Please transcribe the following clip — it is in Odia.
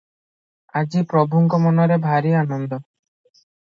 ଆଜି ପ୍ରଭୁଙ୍କ ମନରେ ଭାରି ଆନନ୍ଦ ।